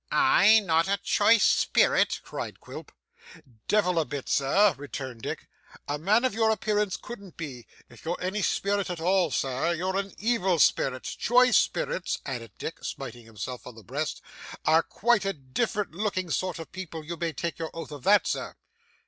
'I not a choice spirit?' cried Quilp. 'Devil a bit, sir,' returned Dick. 'A man of your appearance couldn't be. If you're any spirit at all, sir, you're an evil spirit. Choice spirits,' added Dick, smiting himself on the breast, 'are quite a different looking sort of people, you may take your oath of that, sir.